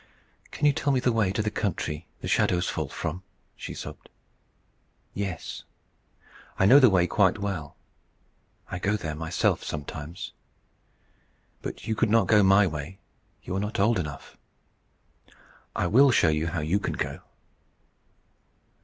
"Can you tell me the way to the country the shadows fall from?" she sobbed. "Yes. I know the way quite well. I go there myself sometimes. But you could not go my way; you are not old enough. I will show you how you can go."